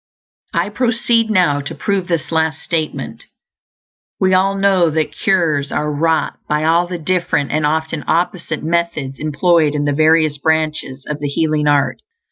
I proceed now to prove this last statement. We all know that cures are wrought by all the different, and often opposite, methods employed in the various branches of the healing art.